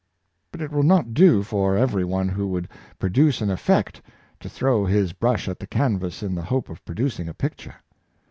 But it will not do for every one who would pro duce an effect, to throw his brush at the canvas in the hope of producing a picture.